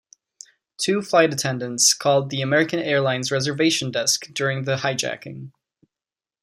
Two flight attendants called the American Airlines reservation desk during the hijacking.